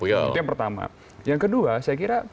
itu yang pertama yang kedua saya kira